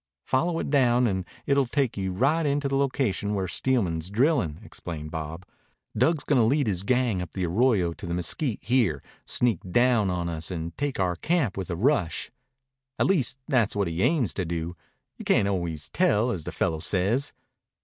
"Follow it down and it'll take you right into the location where Steelman is drillin'," explained Bob. "Dug's gonna lead his gang up the arroyo to the mesquite here, sneak down on us, and take our camp with a rush. At least, that's what he aims to do. You can't always tell, as the fellow says."